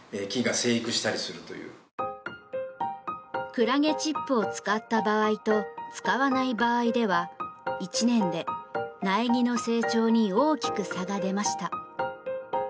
くらげチップを使った場合と使わない場合では１年で、苗木の成長に大きく差が出ました。